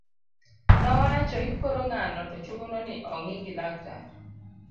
nowacho ni koro ng'ano to chuno ni ong'i gi laktar